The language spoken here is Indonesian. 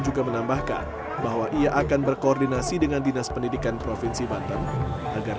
juga menambahkan bahwa ia akan berkoordinasi dengan dinas pendidikan provinsi banten agar